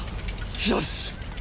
よし！